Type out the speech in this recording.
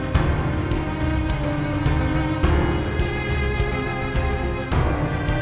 kamu naik ke atas duluan ya